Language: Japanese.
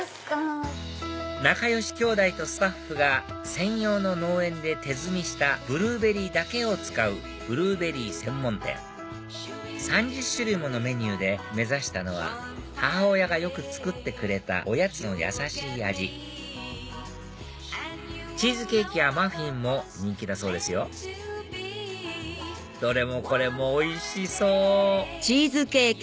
仲良しきょうだいとスタッフが専用の農園で手摘みしたブルーベリーだけを使うブルーベリー専門店３０種類ものメニューで目指したのは母親がよく作ってくれたおやつのやさしい味チーズケーキやマフィンも人気だそうですよどれもこれもおいしそう！